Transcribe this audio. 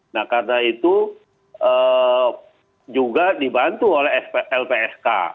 nah karena itu juga dibantu oleh lpsk